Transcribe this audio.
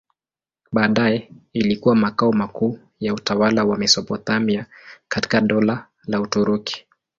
Baadaye ilikuwa makao makuu ya utawala wa Mesopotamia katika Dola la Uturuki.